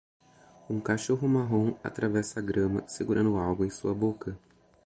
Um cachorro marrom atravessa a grama segurando algo em sua boca